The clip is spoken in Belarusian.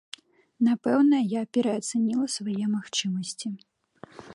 Напэўна, я пераацаніла свае магчымасці.